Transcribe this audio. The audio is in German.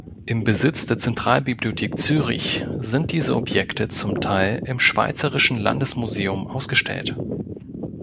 Im Besitz der Zentralbibliothek Zürich sind diese Objekte zum Teil im Schweizerischen Landesmuseum ausgestellt.